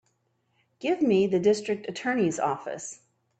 Give me the District Attorney's office.